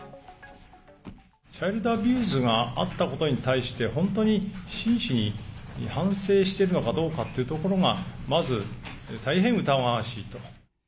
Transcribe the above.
チャイルドアビューズがあったことに対して、本当に真摯に反省しているのかどうかっていうところが、まず大変疑わしいと。